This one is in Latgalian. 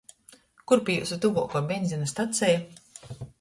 Kur pi jiusu tyvuokuo beņzina staceja?